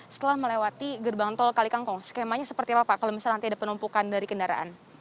setelah melewati gerbang tol kalikangkung skemanya seperti apa pak kalau misalnya nanti ada penumpukan dari kendaraan